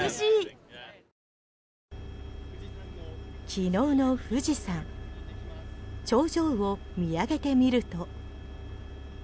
昨日の富士山頂上を見上げてみると。